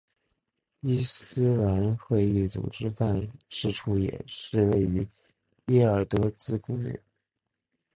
伊斯兰会议组织办事处也位于耶尔德兹宫内。